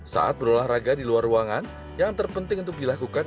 saat berolahraga di luar ruangan yang terpenting untuk dilakukan